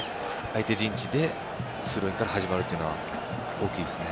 相手陣地でスローインから始まるのは大きいですね。